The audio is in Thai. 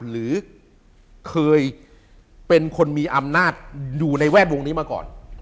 หรือเคยเป็นคนมีอำนาจอยู่ในแวดวงนี้มาก่อน